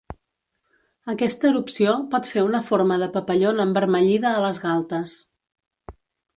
Aquesta erupció pot fer una forma de papallona envermellida a les galtes.